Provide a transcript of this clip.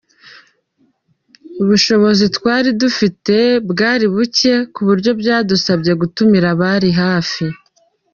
Ubushobozi twari dufite bwari bucye ku buryo byadusabye gutumira abari hafi.